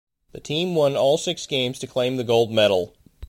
The team won all six games to claim the gold medal.